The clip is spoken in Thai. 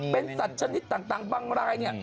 เป็นสัตว์ชนิดต่างบ้างราย